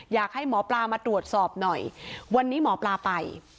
อยากให้หมอปลามาตรวจสอบหน่อยวันนี้หมอปลาไป